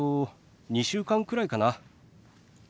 ２週間くらいかな。